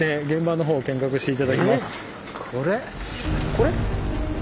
これ？